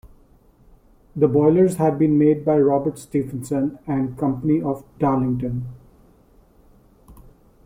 The boilers had been made by Robert Stephenson and Company of Darlington.